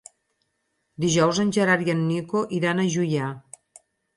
Dijous en Gerard i en Nico iran a Juià.